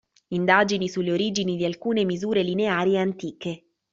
Indagini sulle origini di alcune misure lineari antiche.